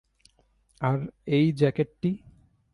আর এই জ্যাকেটটি?